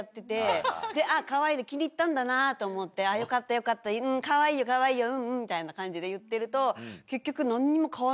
かわいいんだ気に入ったんだなと思ってよかったよかったかわいいよかわいいようんうんみたいな感じで言ってると。